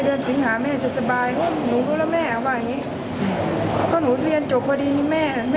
ค่ะผมว่าแม่หากกู้สมัยเหนือจ้างเนี้ยก็บวนไปตามเรื่องเนอะ